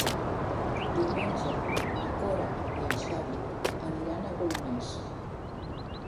Diumenge na Cora i en Xavi aniran a Golmés.